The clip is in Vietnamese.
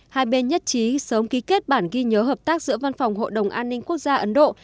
hai bên nhất trí sớm ký kết bản ghi nhớ hợp tác giữa văn phòng hội đồng an ninh quốc gia ấn độ